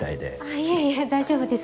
いえいえ大丈夫です